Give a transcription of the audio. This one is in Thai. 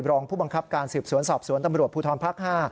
รองผู้บังคับการสืบสวนสอบสวนตำรวจภูทรภาค๕